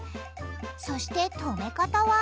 そしてとめ方は？